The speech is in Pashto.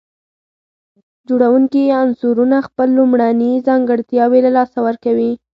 جوړونکي عنصرونه خپل لومړني ځانګړتياوي له لاسه ورکوي.